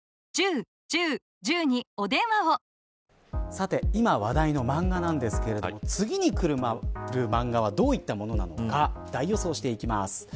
さて今、話題のマンガですが次にくるマンガはどういったものなのか大予想していきます。